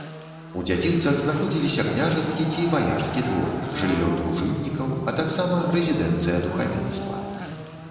У дзядзінцах знаходзіліся княжацкі ці баярскі двор, жыллё дружыннікаў, а таксама рэзідэнцыя духавенства.